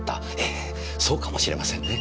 ええそうかもしれませんね。